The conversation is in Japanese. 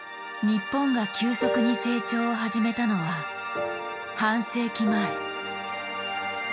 日本が急速に成長を始めたのは半世紀前。